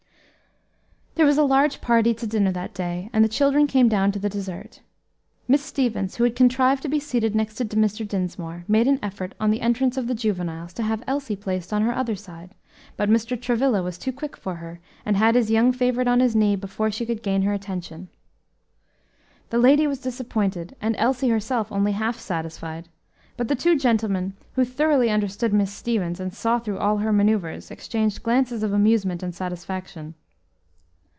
There was a large party to dinner that day, and the children came down to the dessert. Miss Stevens, who had contrived to be seated next to Mr. Dinsmore, made an effort, on the entrance of the juveniles, to have Elsie placed on her other side; but Mr. Travilla was too quick for her, and had his young favorite on his knee before she could gain her attention. The lady was disappointed, and Elsie herself only half satisfied; but the two gentlemen, who thoroughly understood Miss Stevens and saw through all her manoeuvres, exchanged glances of amusement and satisfaction.